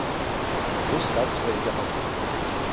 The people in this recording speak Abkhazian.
Ус акәзаргь ҟалоит.